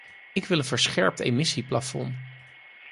Ik wil een verscherpt emissieplafond.